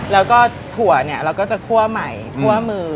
แล้วก็ถั่วเนี่ยเราก็จะคั่วใหม่คั่วมือ